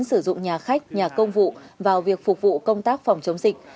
sử dụng nhà khách nhà công vụ vào việc phục vụ công tác phòng chống dịch